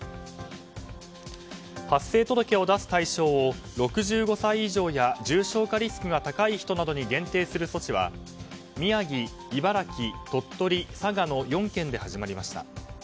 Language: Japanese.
発生届を出す対象を６５歳以上や重症化リスクが高い人などに限定する措置は宮城、茨城、鳥取、佐賀の４県で始まりました。